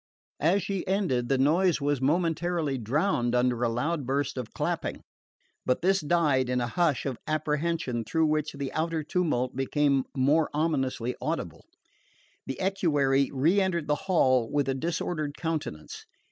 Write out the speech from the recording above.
As she ended, the noise was momentarily drowned under a loud burst of clapping; but this died in a hush of apprehension through which the outer tumult became more ominously audible. The equerry reentered the hall with a disordered countenance.